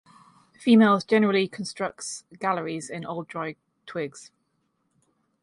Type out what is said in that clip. Females generally constructs galleries in old dry twigs.